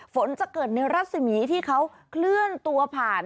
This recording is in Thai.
ฝนจะเกิดในรัศมีที่เขาเคลื่อนตัวผ่าน